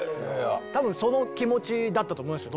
多分その気持ちだったと思いますよ